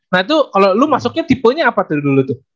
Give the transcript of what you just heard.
nah itu kalau lu masuknya tipenya apa dari dulu tuh